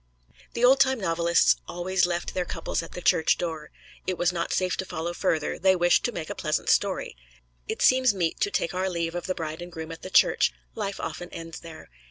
The old time novelists always left their couples at the church door. It was not safe to follow further they wished to make a pleasant story. It seems meet to take our leave of the bride and groom at the church: life often ends there.